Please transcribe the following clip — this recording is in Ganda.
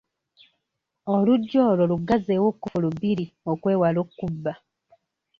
Oluggi olwo luggazzewo kkufulu bbiri okwewala okkubba.